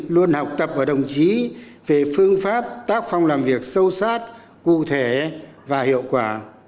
luôn học tập ở đồng chí về phương pháp tác phong làm việc sâu sát cụ thể và hiệu quả